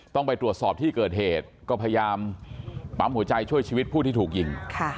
ต้องไปตรวจสอบที่เกิดเหตุก็พยายามปั๊มหัวใจช่วยชีวิตผู้ที่ถูกยิง